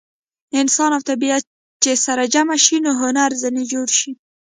انسان او طبیعت چې سره جمع شي نو هنر ځینې جوړ شي.